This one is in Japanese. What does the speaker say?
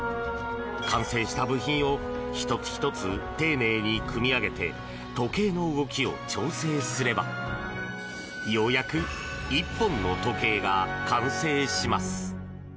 完成した部品を１つ１つ丁寧に組み上げて時計の動きを調整すればようやく１本の時計が完成します。